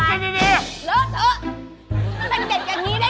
เหลือเหลือ